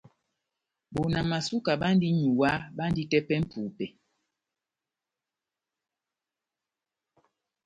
Bona Masuka bandi n’nyuwá, bandi tepɛ mʼpupɛ.